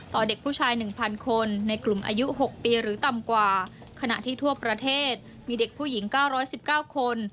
ต่อเด็กผู้ชายหนึ่งพันคนในกลุ่มอายุหกปีหรือต่ำกว่าขณะที่ทั่วประเทศมีเด็กผู้หญิงเก้าร้อยสิบเก้าคน